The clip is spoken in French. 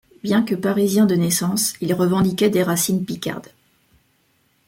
Bien que parisien de naissance, il revendiquait des racines picardes.